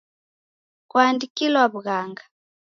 Kwaandikilwaw'ughanga?